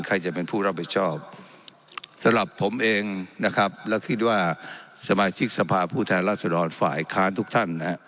ใครจะเป็นผู้รับผิดชอบสำหรับผมเองนะครับแล้วคิดว่าสมาชิกสภาพผู้แทนรัศดรฝ่ายค้านทุกท่านนะฮะ